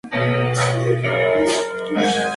Le gustaba la buena comida.